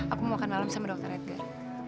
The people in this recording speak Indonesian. aku mau makan malam sama dokter edgar